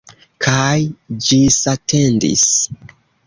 Kaj ĝisatendis.